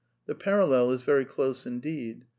The parallel is very close indeed.